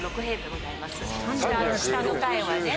下の階はね。